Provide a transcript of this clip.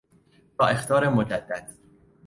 تا اخطار مجدد